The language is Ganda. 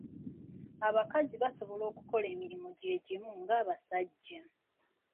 Abakazi basobola okukola emirimu gy'egimu nga abasajja.